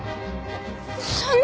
そんな！